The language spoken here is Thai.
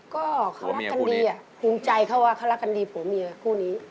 ก็เขารักกันดีภูมิใจเขาว่าเขารักกันดีผัวเมียคู่นี้